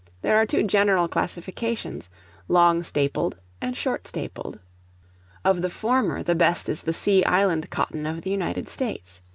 There are two general classifications, long stapled and short stapled. Of the former the best is the sea island cotton of the United States.